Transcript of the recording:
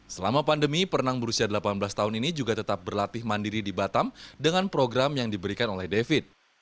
selama pandemi perenang berusia delapan belas tahun ini juga tetap berlatih mandiri di batam dengan program yang diberikan oleh david